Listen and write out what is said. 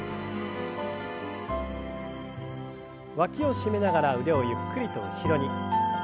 わきを締めながら腕をゆっくりと後ろに。